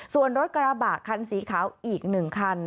ส่วนรถกรบัตรคันสีขาวอีกหนึ่งคัน